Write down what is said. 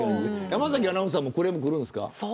山崎アナウンサーもクレームくるんですか。